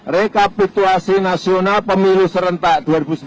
rekapituasi nasional pemilu serentak dua ribu sembilan belas